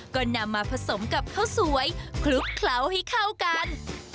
ก็นำมาผสมกับข้าวสวยคลุกเคล้าให้เข้ากัน